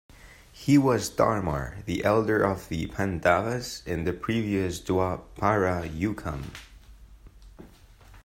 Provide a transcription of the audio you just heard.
He was Dharmar, the elder of the Pandavas in the previous Dwapara Yukam.